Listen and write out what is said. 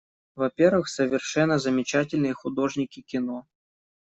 Во-первых, совершенно замечательные художники кино.